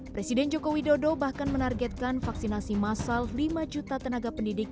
presiden joko widodo bahkan menargetkan vaksinasi massal lima juta tenaga pendidik